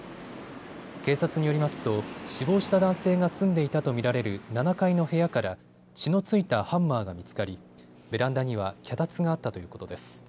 警察によりますと死亡した男性が住んでいたと見られる７階の部屋から血のついたハンマーが見つかりベランダには脚立があったということです。